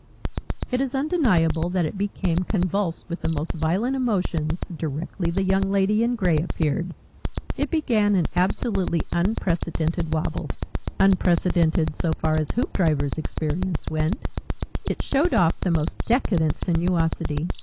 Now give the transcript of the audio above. It is undeniable that it became convulsed with the most violent emotions directly the Young Lady in Grey appeared. It began an absolutely unprecedented Wabble unprecedented so far as Hoopdriver's experience went. It "showed off" the most decadent sinuosity.